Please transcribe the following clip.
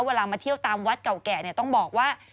เวลามาเที่ยวตามวัดเก่าแก่ต้องบอกว่า